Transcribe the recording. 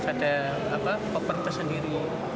ada koper kesendiri